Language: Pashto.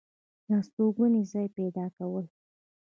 دا ستوګنې ځاے پېدا كول